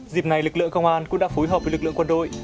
dịp này lực lượng công an cũng đã phối hợp với lực lượng quân đội